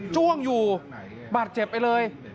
้วงอยู่บาดเจ็บไปเลย